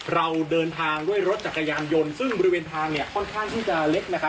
เราเดินทางด้วยรถจักรยานยนต์ซึ่งบริเวณทางเนี่ยค่อนข้างที่จะเล็กนะครับ